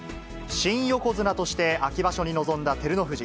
新横綱として秋場所に臨んだ照ノ富士。